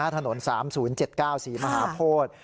ถนน๓๐๗๙ศรีมหาโพธิ